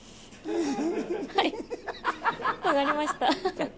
はいわかりました。